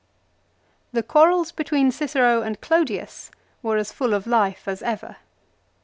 The quarrels between Cicero and Clodius were as full of Hfe as ever.